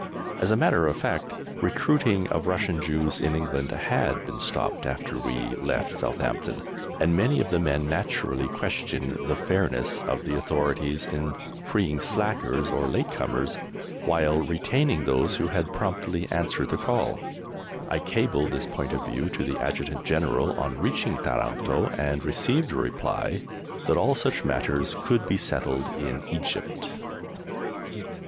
As a matter of fact recruiting of Russian Jews in England had been stopped after we left Southampton, and many of the men naturally questioned the fairness of the authorities in freeing slackers or late comers, while retaining those who had promptly answered the call. I cabled this point of view to the Adjutant General on reaching Taranto and received a reply that all such matters could be settled in Egypt.